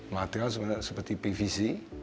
materialnya seperti pvc